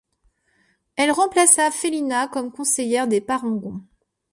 Elle remplaça Félina comme conseillère des Parangons.